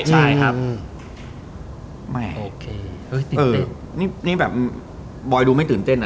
ใช่ครับโอเคเฮ้ยตื่นเต้นเออนี่นี่แบบบอยดูไม่ตื่นเต้นอ่ะ